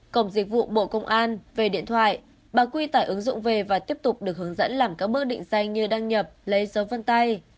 cổng dịch vụ bộ công an về điện thoại bà quy tải ứng dụng về và tiếp tục được hướng dẫn làm các bước định danh như đăng nhập lấy dấu vân tay